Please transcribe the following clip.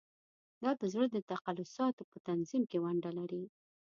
دا د زړه د تقلصاتو په تنظیم کې ونډه لري.